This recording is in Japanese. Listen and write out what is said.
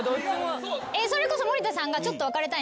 それこそ森田さんが。